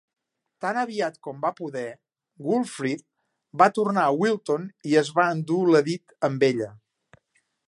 Tan aviat com va poder, Wulfthryth va tornar a Wilton i es van endur l'Edith amb ella.